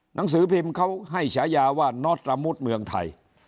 หนังสือพิมพ์เขาให้ฉายาว่าน็อตระมุดเมืองไทย